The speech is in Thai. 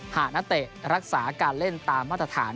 หากนักเตะรักษาการเล่นตามมาตรฐาน